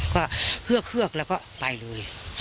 ก็เครือเฮือกแล้วก็ไปเลย